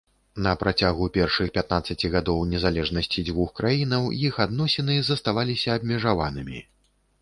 На працягу першых пятнаццаці гадоў незалежнасці дзвюх краінаў, іх адносіны заставаліся абмежаванымі.